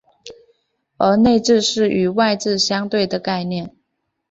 而内字是与外字相对的概念。